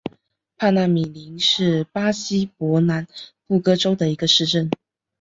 帕纳米林是巴西伯南布哥州的一个市镇。